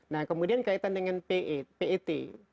nah kemudian kaitan dengan pet